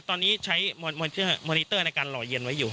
ตอนนี้ใช้มอนิเตอร์ในการหล่อเย็นไว้อยู่